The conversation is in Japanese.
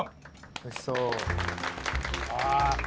おいしそう。